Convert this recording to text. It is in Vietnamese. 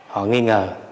họ nghi ngờ